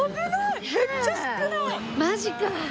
マジか！